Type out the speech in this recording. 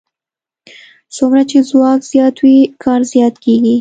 څومره چې ځواک زیات وي کار زیات کېږي.